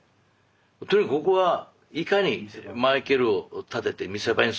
とにかくここはいかにマイケルを立てて見せ場にするかでしょうと。